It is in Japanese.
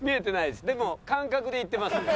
でも感覚でいってますんで。